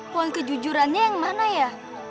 uang kejujurannya yang mana ya